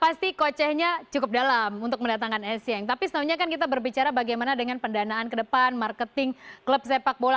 pasti kocehnya cukup dalam untuk mendatangkan esieng tapi sebenarnya kan kita berbicara bagaimana dengan pendanaan ke depan marketing klub sepak bola